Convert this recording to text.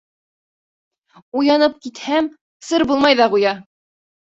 Уянып китһәм, сыр булмай ҙа ҡуя.